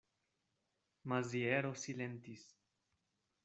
Maziero silentis.